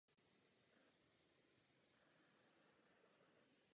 Během postgraduálního studia vydal čtyři výzkumné práce z oblasti počítačové grafiky.